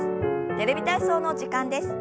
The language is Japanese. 「テレビ体操」の時間です。